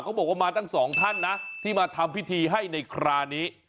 เขาบอกว่ามาตั้งสองท่านนะที่มาทำพิธีให้ในคราวนี้